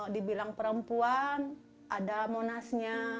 dibilang perempuan ada monasnya